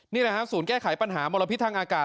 นี่แหละฮะศูนย์แก้ไขปัญหามลพิษทางอากาศ